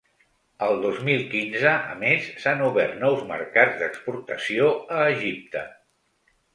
El dos mil quinze, a més, s’han obert nous mercats d’exportació a Egipte.